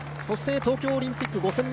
東京オリンピック５０００